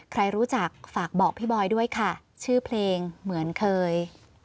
ใครรู้จักฝากบอกพี่บอยด้วยค่ะชื่อเพลงเหมือนเคย